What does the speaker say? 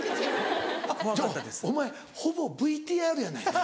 ちょお前ほぼＶＴＲやないか。